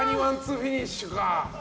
フィニッシュか。